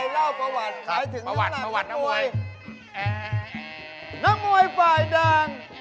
น้องมวยฝ่ายดัง